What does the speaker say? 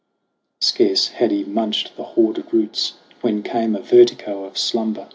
Scarce had he munched the hoarded roots, when came A vertigo of slumber.